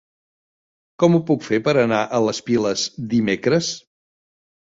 Com ho puc fer per anar a les Piles dimecres?